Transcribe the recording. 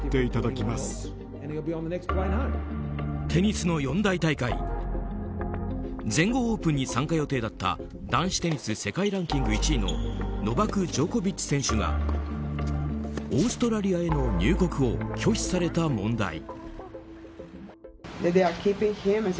テニスの４大大会全豪オープンに参加予定だった男子テニス世界ランキング１位のノバク・ジョコビッチ選手がオーストラリアへの入国を拒否された問題。